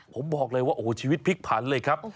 ผมบอกเลยว่าชีวิตพิกพันธุ์เลยครับ